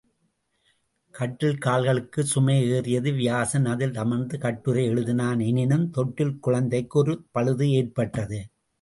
கட்டில்கால்களுக்குச் சுமை ஏறியது வியாசன் அதில் அமர்ந்து கட்டுரை எழுதினான் எனினும் தொட்டில் குழந்தைக்கு ஒரு பழுது ஏற்பட்டது.